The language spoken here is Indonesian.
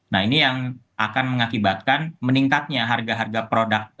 nah ini yang akan mengakibatkan meningkatnya harga harga produk